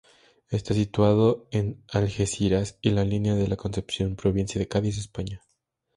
Está situado en Algeciras y La Línea de la Concepción, provincia de Cádiz, España.